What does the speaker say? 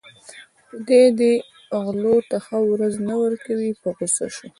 خدای دې دې غلو ته ښه ورځ نه ورکوي په غوسه شو.